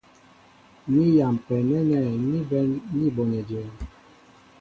Ni yampɛ nɛ́nɛ́ ní bɛ̌n ní bonɛ jə̄ə̄.